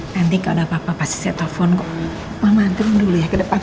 nanti kalo ada apa apa pasti saya telepon ke mama antrim dulu ya ke depan